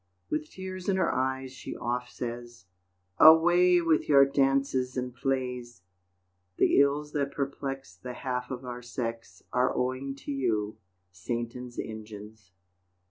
With tears in her eyes she oft says, "Away with your dances and plays! The ills that perplex The half of our sex Are owing to you, Satan's engines."